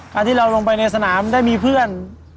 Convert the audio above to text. การที่เราลงไปในสนามได้มีเพื่อน